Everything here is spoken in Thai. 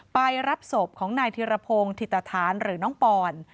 ไปรับศพของนายธิรพงศ์ถิตฐานหรือน้องปอน